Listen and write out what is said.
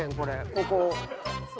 ここ。